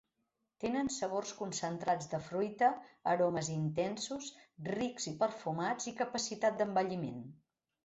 Tenen sabors concentrats de fruita, aromes intensos, rics i perfumats i capacitat d'envelliment.